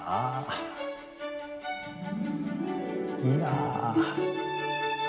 いや。